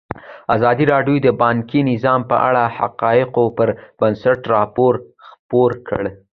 ازادي راډیو د بانکي نظام په اړه د حقایقو پر بنسټ راپور خپور کړی.